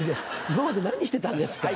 今まで何してたんですか。